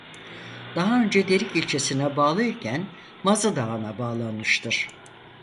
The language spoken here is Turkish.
Daha önce Derik ilçesine bağlı iken Mazıdağı'na bağlanmıştır.